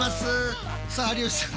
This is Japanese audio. さあ有吉さん